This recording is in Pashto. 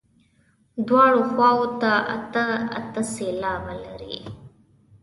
دواړو خواوو ته اته اته سېلابه لري.